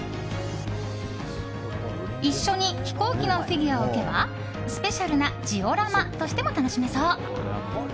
一緒に飛行機のフィギュアを置けばスペシャルなジオラマとしても楽しめそう。